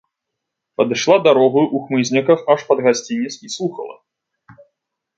Падышла дарогаю ў хмызняках аж пад гасцінец і слухала.